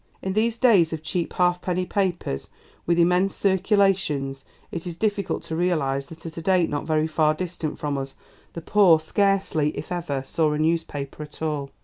In these days of cheap halfpenny papers with immense circulations it is difficult to realize that at a date not very far distant from us, the poor scarcely, if ever, saw a newspaper at all.